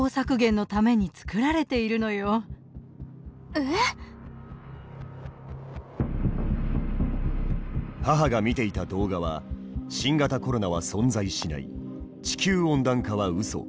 そして母が見ていた動画は「新型コロナは存在しない」「地球温暖化はウソ！」